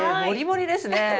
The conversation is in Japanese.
もりもりですね。